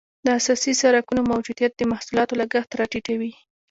د اساسي سرکونو موجودیت د محصولاتو لګښت را ټیټوي